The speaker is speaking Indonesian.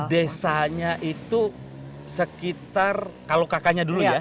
desanya itu sekitar kalau kakaknya dulu ya